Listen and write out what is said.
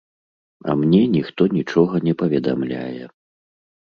А мне ніхто нічога не паведамляе.